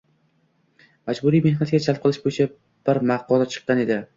majburiy mehnatga jalb qilinish bo‘yicha bir maqola chiqqan edi.